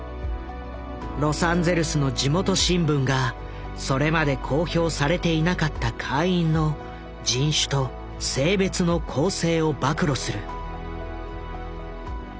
ロサンゼルスの地元新聞がそれまで公表されていなかった会員の人種と性別の構成を暴露する。